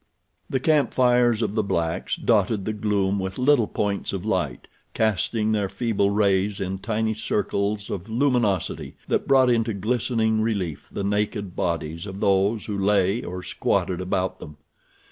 The camp fires of the blacks dotted the gloom with little points of light, casting their feeble rays in tiny circles of luminosity that brought into glistening relief the naked bodies of those who lay or squatted about them.